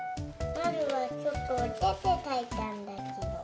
まるはちょっとおててかいたんだけど。